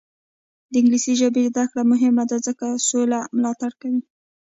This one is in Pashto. د انګلیسي ژبې زده کړه مهمه ده ځکه چې سوله ملاتړ کوي.